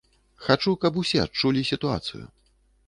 Хачу, каб усе адчулі сітуацыю.